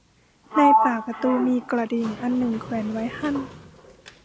ในปากประตูมีกระดิ่งอันหนึ่งแขวนไว้หั้น